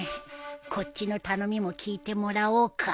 こっちの頼みも聞いてもらおうか。